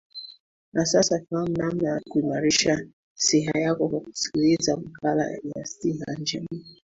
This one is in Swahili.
na sasa fahamu namna kuimarisha siha yako kwa kusikiliza makala ya siha njema